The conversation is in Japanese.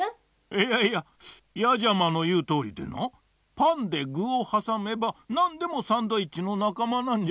いやいややじゃまのいうとおりでなパンでぐをはさめばなんでもサンドイッチのなかまなんじゃよ。